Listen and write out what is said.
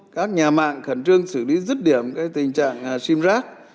các nhà mạng khẩn trương xử lý dứt điểm cái tình trạng sim rac